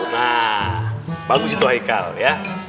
nah bagus itu hai kal ya